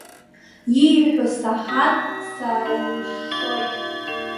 Ииҳәо саҳан, сааилышшоит.